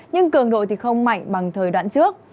nhưng cường độ thì không mạnh bằng thời đoạn trước